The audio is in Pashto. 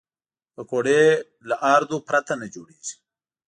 پکورې له آردو پرته نه جوړېږي